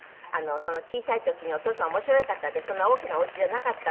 小さい時にお父様面白い方でそんな大きなお家じゃなかったのに。